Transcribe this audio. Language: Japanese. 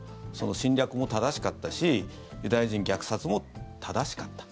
侵略も正しかったしユダヤ人虐殺も正しかった。